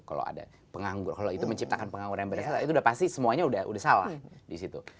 kalau ada penganggur kalau itu menciptakan pengangguran yang berasa itu udah pasti semuanya udah salah di situ